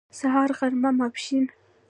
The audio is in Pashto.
سهار غرمه ماسپښين